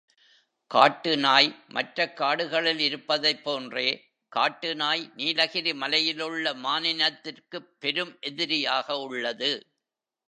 காட்டு நாய் மற்றக் காடுகளில் இருப்பதைப் போன்றே காட்டு நாய் நீலகிரி மலையிலுள்ள மானினத்திற்குப் பெரும் எதிரியாக உள்ளது.